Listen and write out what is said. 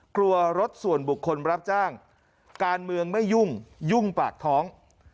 รถส่วนบุคคลรับจ้างการเมืองไม่ยุ่งยุ่งปากท้อง